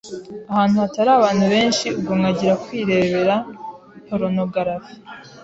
ahantu hatari abantu benshi ubwo nkangira kwirebera pornography